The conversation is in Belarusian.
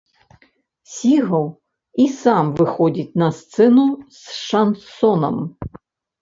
Сігаў і сам выходзіць на сцэну з шансонам.